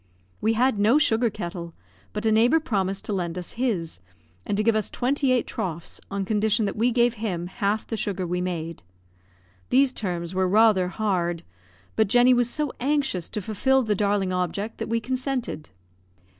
We had no sugar kettle, but a neighbour promised to lend us his, and to give us twenty eight troughs, on condition that we gave him half the sugar we made. These terms were rather hard, but Jenny was so anxious to fulfil the darling object that we consented.